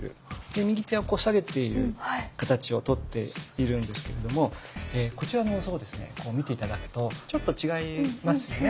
で右手はこう下げている形をとっているんですけれどもこちらのお像をですね見て頂くとちょっと違いますよね。